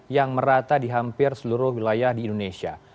yang merata di hampir seluruh wilayah di indonesia